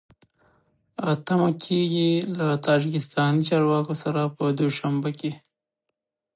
تمه کېږي له تاجکستاني چارواکو سره په دوشنبه کې